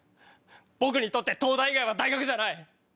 僕にとって東大以外は大学じゃない。